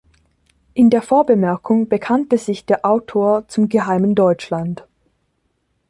In der Vorbemerkung bekannte sich der Autor zum Geheimen Deutschland.